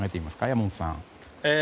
山本さん。